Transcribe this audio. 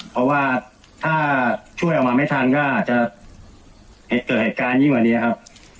เพราะว่าถ้าช่วยออกมาไม่ทันก็อาจจะเกิดเหตุการณ์ยิ่งกว่านี้ครับ